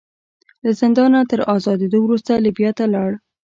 له زندانه تر ازادېدو وروسته لیبیا ته لاړ.